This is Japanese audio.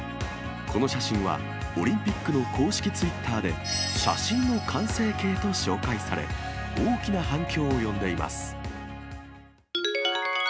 この写真は、オリンピックの公式ツイッターで、写真の完成形と紹介され、大きな反響を呼んでいます。